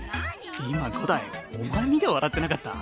今五代お前見て笑ってなかった？